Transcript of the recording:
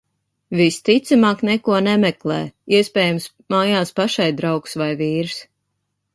Visticamāk neko nemeklē, iespējams mājās pašai draugs vai vīrs.